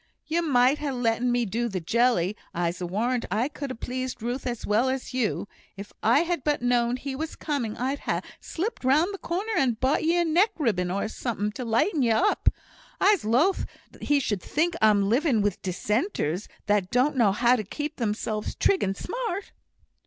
"You might ha' letten me do the jelly; I'se warrant I could ha' pleased Ruth as well as you. If I had but known he was coming, I'd ha' slipped round the corner and bought ye a neck ribbon, or summut to lighten ye up. I'se loath he should think I'm living with Dissenters, that don't know how to keep themselves trig and smart."